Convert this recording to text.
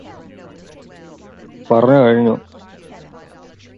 There are black poplars at the southern end of the reserve.